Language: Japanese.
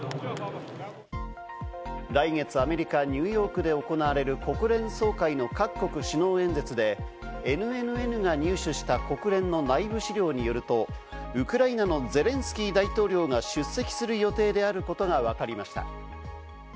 来月、アメリカ・ニューヨークで行われる国連総会の各国首脳演説で、ＮＮＮが入手した国連の内部資料によると、ウクライナのゼレンスキー大統領が出席する予定であることがわかりました。